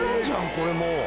これもう。